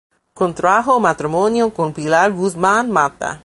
Contrajo matrimonio con Pilar Guzmán Matta.